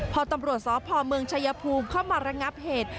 พอตำรวจสพเมืองชายภูมิเข้ามาระงับเหตุ